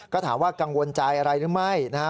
ก็ถามว่ากังวลใจอะไรหรือไม่นะฮะ